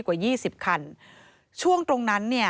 กว่า๒๐คันช่วงตรงนั้น